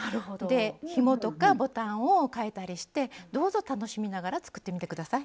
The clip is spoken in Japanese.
でひもとかボタンをかえたりしてどうぞ楽しみながら作ってみて下さい。